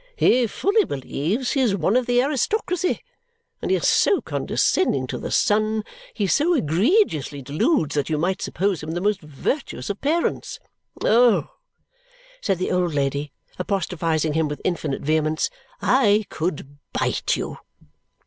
"He fully believes he is one of the aristocracy! And he is so condescending to the son he so egregiously deludes that you might suppose him the most virtuous of parents. Oh!" said the old lady, apostrophizing him with infinite vehemence. "I could bite you!"